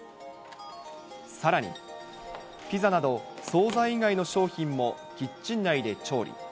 さらに、ピザなど、総菜以外の商品も、キッチン内で調理。